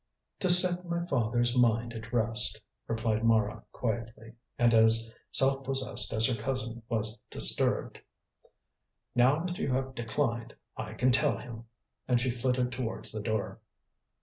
"To set my father's mind at rest," replied Mara quietly, and as self possessed as her cousin was disturbed. "Now that you have declined, I can tell him!" and she flitted towards the door.